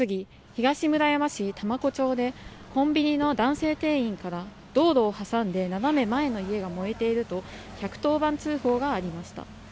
東村山市多摩湖町でコンビニの男性店員から道路を挟んで斜め前の家が燃えていると１１０番通報がありました